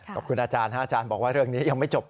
ขอบคุณอาจารย์บอกว่าเรื่องนี้ยังไม่จบ